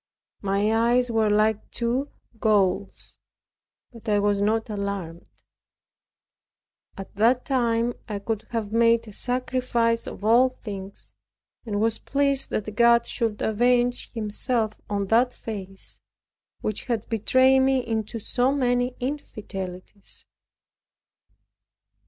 My eyes were like two coals; but I was not alarmed. At that time I could have made a sacrifice of all things, and was pleased that God should avenge Himself on that face, which had betrayed me into so many infidelities.